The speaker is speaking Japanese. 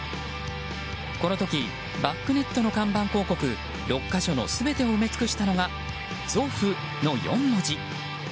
この時バックネットの看板広告６か所の全てを埋め尽くしたのが「Ｚｏｆｆ」の４文字。